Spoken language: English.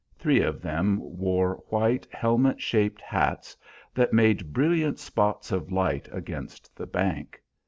Three of them wore white, helmet shaped hats that made brilliant spots of light against the bank.